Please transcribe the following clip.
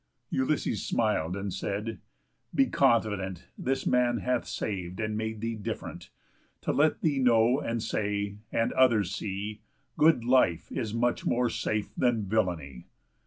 Ulysses smil'd, and said: "Be confident This man hath sav'd and made thee different, To let thee know, and say, and others see, _Good life is much more safe than villany.